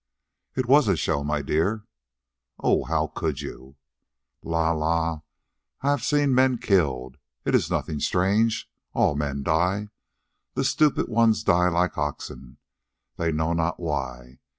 "It was a show, my dear." "Oh, how could you?" "La la, I have seen men killed. It is nothing strange. All men die. The stupid ones die like oxen, they know not why.